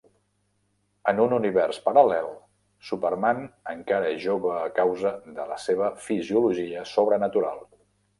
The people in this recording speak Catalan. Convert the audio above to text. En un univers paral·lel, Superman encara és jove a causa de la seva fisiologia sobrenatural.